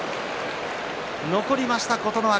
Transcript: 残りました琴ノ若。